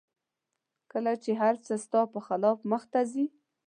کله چې هر څه ستا په خلاف مخته ځي